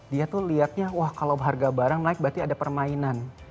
dia tuh lihatnya wah kalau harga barang naik berarti ada permainan